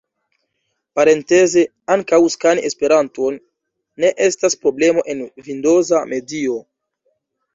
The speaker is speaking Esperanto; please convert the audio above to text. Parenteze, ankaŭ skani Esperanton ne estas problemo en vindoza medio.